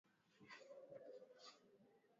Tunafaa kuchunga maeneo yetu